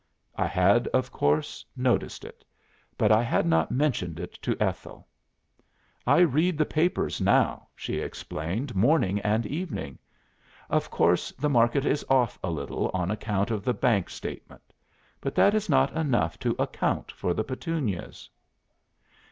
'" "I had, of course, noticed it; but I had not mentioned it to Ethel. 'I read the papers now,' she explained, 'morning and evening. Of course the market is off a little on account of the bank statement. But that is not enough to account for the Petunias.